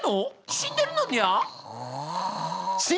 死んでるのにゃー？